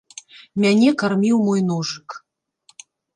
Мяне карміў мой ножык.